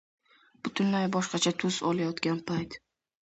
Butunlay boshqacha tus olayotgan payt?